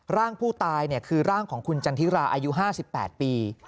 ร่างผู้ตายคือร่างของคุณจันทิราอายุ๕๘ปี